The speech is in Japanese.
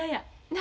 何？